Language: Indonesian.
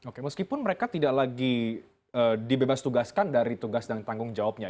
oke meskipun mereka tidak lagi dibebas tugaskan dari tugas dan tanggung jawabnya